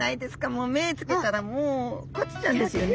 もう目付けたらもうコチちゃんですよね。